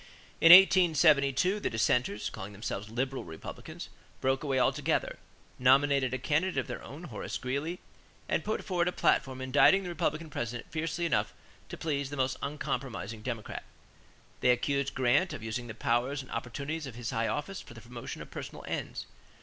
In 1872, the dissenters, calling themselves Liberal Republicans, broke away altogether, nominated a candidate of their own, Horace Greeley, and put forward a platform indicting the Republican President fiercely enough to please the most uncompromising Democrat. They accused Grant of using "the powers and opportunities of his high office for the promotion of personal ends."